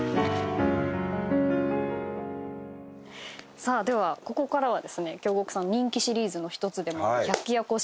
さあではここからはですね京極さん人気シリーズの１つでもある。